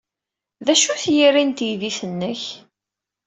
D acu-t yiri n teydit-nnek?